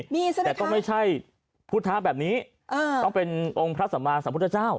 มีใช่ไหมแต่ต้องไม่ใช่พุทธแบบนี้ต้องเป็นองค์พระสัมมาสัมพุทธเจ้า